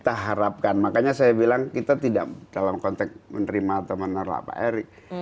itu yang kita harapkan makanya saya bilang kita tidak dalam konteks menerima atau menerima pak erick